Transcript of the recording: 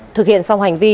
thực hiện xong hành vi